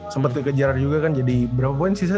sempet kejar juga kan jadi berapa poin sih